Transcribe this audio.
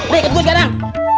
nih ikut gua sekarang